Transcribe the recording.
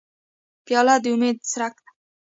پیاله د امید څرک ده.